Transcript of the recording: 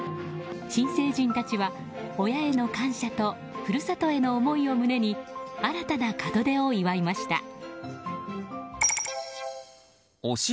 新成人たちは、親への感謝と故郷への思いを胸に新たな門出を祝いました。